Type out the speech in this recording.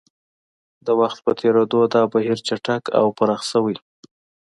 د وخت په تېرېدو دا بهیر چټک او پراخ شوی